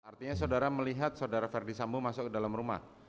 artinya saudara melihat saudara verdi sambo masuk ke dalam rumah